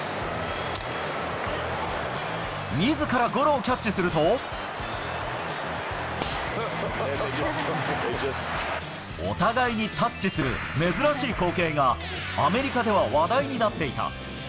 みずからゴロをキャッチすると、お互いにタッチする、珍しい光景がアメリカでは話題になっていた。